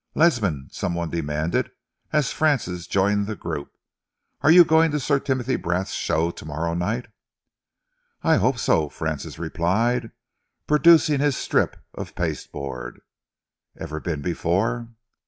"Ledsam," some one demanded, as Francis joined the group, "are you going to Sir Timothy Brast's show to morrow night?" "I hope so," Francis replied, producing his strip of pasteboard. "Ever been before?"